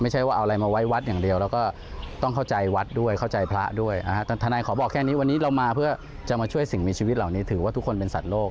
จะมาช่วยสิ่งมีชีวิตเหล่านี้ถือว่าทุกคนเป็นสัตว์โรค